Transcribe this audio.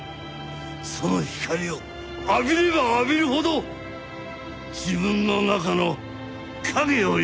その光を浴びれば浴びるほど自分の中の影を意識したよ。